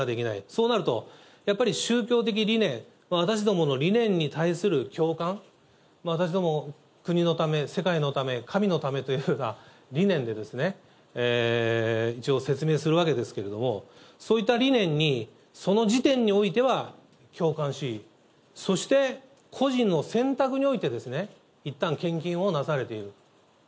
そうなると、やっぱり宗教的理念、私どもの理念に対する共感、私ども国のため、世界のため、神のためというふうな理念でですね、一応、説明するわけですけれども、そういった理念に、その時点においては共感し、そして個人の選択において、いったん献金をなされている。